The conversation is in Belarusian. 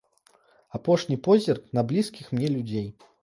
Апошні позірк на блізкіх мне людзей.